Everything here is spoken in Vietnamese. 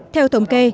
theo tổng kê